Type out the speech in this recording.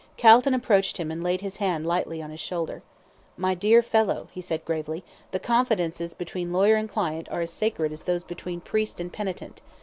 Calton approached him, and laid his hand lightly on his shoulder. "My dear fellow," he said, gravely, "the confidences between lawyer and client are as sacred as those between priest and penitent.